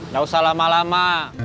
gak usah lama lama